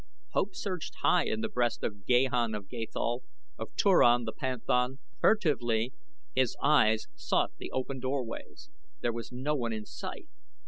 Hope surged high in the breast of Gahan of Gathol, of Turan the panthan. Furtively his eyes sought the open doorways. There was no one in sight.